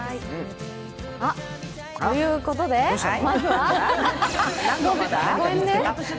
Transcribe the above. あっということでまずはごめんね。